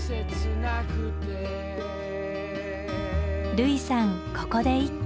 類さんここで一句。